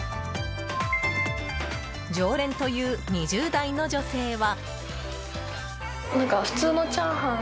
常連という２０代の女性は。